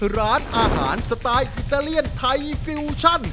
ร้านอาหารสไตล์อิตาเลียนไทยฟิวชั่น